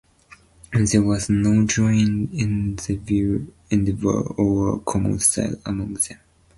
There was no joint endeavor or common style among them.